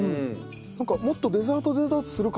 なんかもっとデザートデザートするかなと。